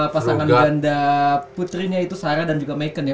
pasangan ganda putrinya itu sarah dan juga macan ya